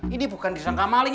ini bukan disangka maling